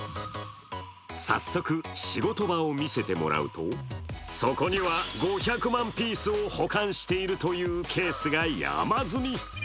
早速、仕事場を見せてもらうとそこには、５００万ピースを保管しているというケースが山積み。